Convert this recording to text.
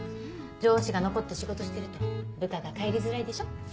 上司が残って仕事してると部下が帰りづらいでしょ？